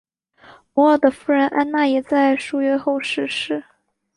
摩尔的夫人安娜也在数月后逝世。